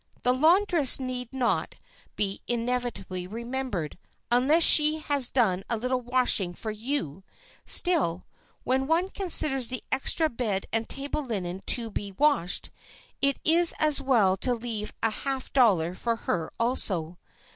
The laundress need not be inevitably remembered, unless she has done a little washing for you; still, when one considers the extra bed and table linen to be washed, it is as well to leave a half dollar for her also.